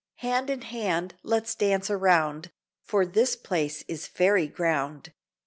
Hand in hand let's dance around, For this place is Fairy ground.